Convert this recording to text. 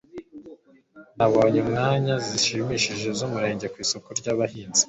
nabonye inyanya zishimishije zomurage ku isoko ryabahinzi